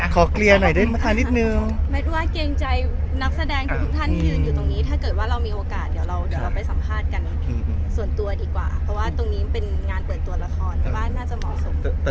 ขอเกลียร์หน่อยได้ไหมค่ะ